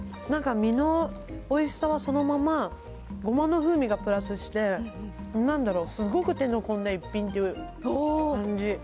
なんか、身のおいしさはそのまま、ごまの風味がプラスして、なんだろう、すっごく手の込んだ一品って感じ。